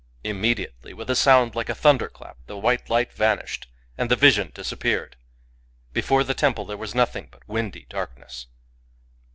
Immediately, with a sound like a thunder clap, the white light vanished, and the vision disap peared. Before the temple there was nothing but windy darkness.